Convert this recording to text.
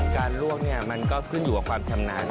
ลวกมันก็ขึ้นอยู่กับความชำนาญ